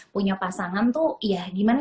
punya pasangan tuh ya gimana